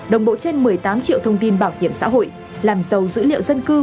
đồng bộ trên một mươi tám triệu thông tin bảo hiểm xã hội làm giàu dữ liệu dân cư